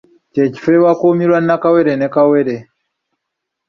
Kye kifo awakuumibwa nnakawere ne kawere.